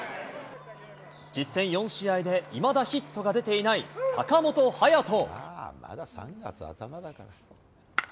実戦４試合でいまだヒットが出ていない坂本勇人。